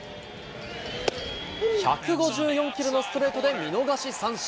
１５４キロのストレートで見逃し三振。